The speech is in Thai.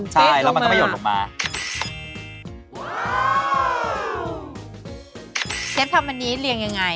เชฟทำแบบนี้เลียนยังไง